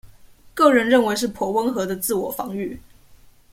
個人認為是頗溫和的自我防禦